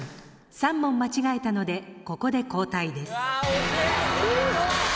３問間違えたのでここで交代です。